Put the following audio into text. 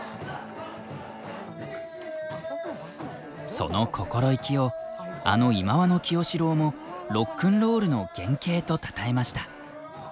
その心意気をあの忌野清志郎も「ロックンロールの原型」とたたえました。